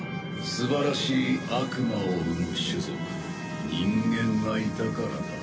素晴らしい悪魔を生む種族人間がいたからだ。